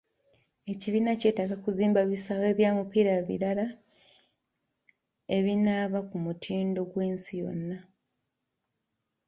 Ekibiina kyetaaga kuzimba bisaawe bisaawe bya mupiira birala ebinaaba ku mutindo gw'ensi yonna.